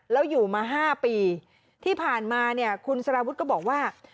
แล้วอยู่มา๕ปีที่ผ่านมาเนี่ยคุณสารวุฒิก็บอกว่า